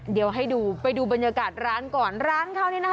เดี๋ยวให้ดูไปดูบรรยากาศร้านก่อนร้านเขานี่นะคะ